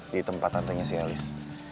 di tempat tante nya si elis